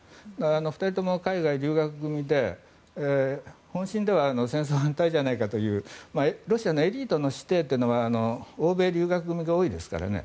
２人とも海外留学組で本心では戦争反対じゃないかというロシアのエリートの子弟というのは欧米留学組が多いですからね。